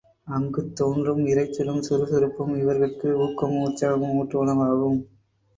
அங்குத் தோன்றும் இரைச்சலும், சுறுசுறுப்பும் இவர்கட்கு ஊக்கமும் உற்சாகமும் ஊட்டுவனவாகும்.